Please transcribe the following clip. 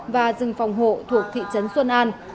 và rừng phòng hộ thuộc thị trấn xuân an